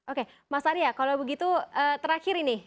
oke mas arya kalau begitu terakhir ini